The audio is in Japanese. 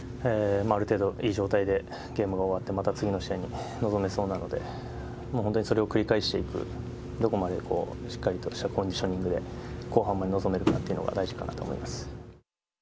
ある程度いい状態で、ゲームが終わって、また次の試合に臨めそうなので、本当にそれを繰り返していく、どこまでしっかりとしたコンディショニングで後半まで臨めるかっていうのが、大事かなと思います。